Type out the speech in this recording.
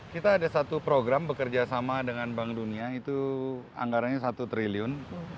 kita ada satu program bekerja sama dengan bank dunia itu anggaranya satu triliun